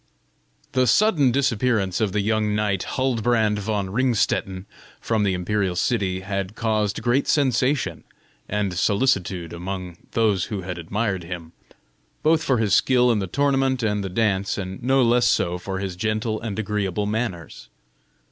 The sudden disappearance of the young knight, Huldbrand von Ringstetten, from the imperial city, had caused great sensation and solicitude among those who had admired him, both for his skill in the tournament and the dance, and no less so for his gentle and agreeable manners.